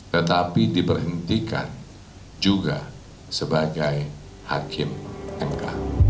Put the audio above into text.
tetapi diberhentikan juga sebagai hakim mk